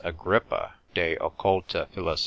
Agrippa, de occult. plilos.